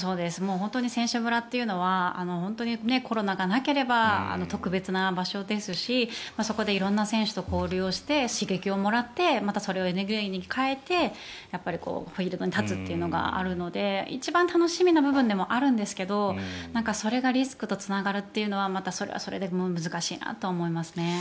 本当に選手村というのはコロナがなければ特別な場所ですしそこで色んな選手と交流して刺激をもらってまた、それをエネルギーに変えてフィールドに立つというのがあるので一番楽しみな部分でもあるんですけどそれがリスクにつながるというのはそれはそれで難しいなと思いますね。